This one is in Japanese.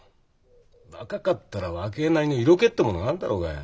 若かったら若えなりの色気ってものがあんだろうがよ。